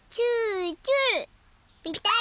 ぴたり。